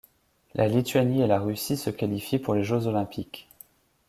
La Lituanie et la Russie se qualifient pour les Jeux Olympiques.